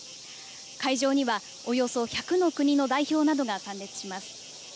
会場には、およそ１００の国の代表などが参列します。